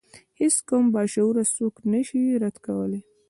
هیڅ کوم باشعوره څوک نشي رد کولای.